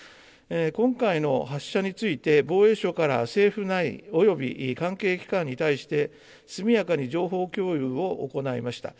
今回の発射について防衛省から政府内および関係機関に対して、速やかに情報共有を行いました。